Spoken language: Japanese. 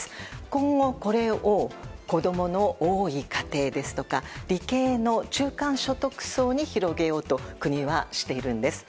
今後、これを子供の多い家庭ですとか理系の中間所得層に広げようと国はしているんです。